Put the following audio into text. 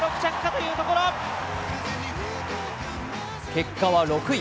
結果は６位。